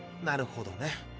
なるほどね。